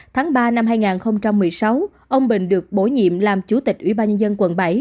tháng ba năm hai nghìn một mươi sáu ông bình được bổ nhiệm làm chủ tịch ủy ban nhân dân quận bảy